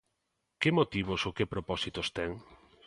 ¿Que motivos ou que propósitos ten?